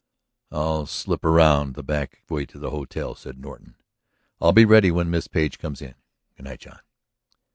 "I'll slip around the back way to the hotel," said Norton. "I'll be ready when Miss Page comes in. Good night, John."